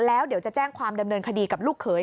แล้วเดี๋ยวจะแจ้งความดำเนินคดีกับลูกเขย